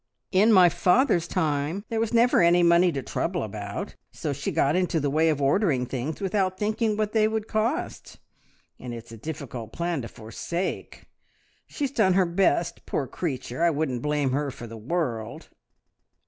In my father's time there was never any money to trouble about, so she got into the way of ordering things without thinking what they would cost, and it's a difficult plan to forsake. She's done her best, poor creature! I wouldn't blame her for the world."